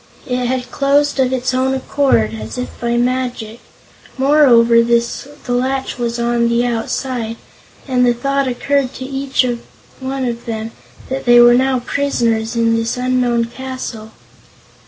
It had closed of its own accord, as if by magic. Moreover, the latch was on the outside, and the thought occurred to each one of them that they were now prisoners in this unknown castle.